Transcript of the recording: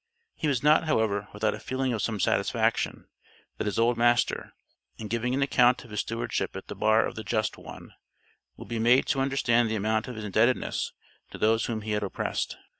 He was not, however, without a feeling of some satisfaction, that his old master, in giving an account of his stewardship at the Bar of the Just One, would be made to understand the amount of his indebtedness to those whom he had oppressed.